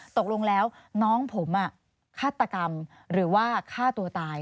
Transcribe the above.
ตกลงแล้วน้องผมฆาตกรรมหรือว่าฆ่าตัวตาย